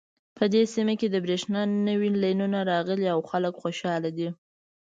په دې سیمه کې د بریښنا نوې لینونه راغلي او خلک خوشحاله دي